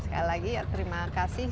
sekali lagi ya terima kasih